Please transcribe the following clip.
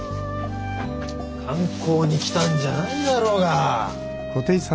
観光に来たんじゃないだろうが。